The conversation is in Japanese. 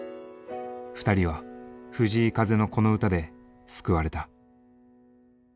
２人は藤井風のこの歌で救われた。